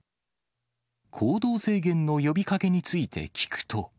行動制限の呼びかけについて聞くと。